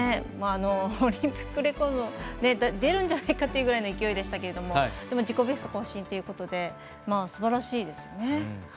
オリンピックレコード出るんじゃないかっていうぐらいの勢いでしたけど自己ベスト更新ということですばらしいですよね。